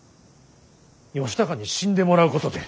義高に死んでもらうことで。